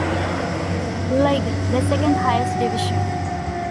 Lig, the second highest division.